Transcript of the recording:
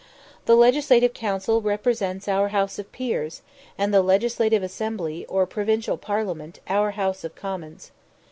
The Legislative Council represents our House of Peers, and the Legislative Assembly, or Provincial Parliament, our House of Commons.